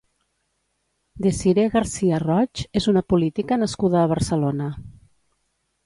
Dessirée García Roig és una política nascuda a Barcelona.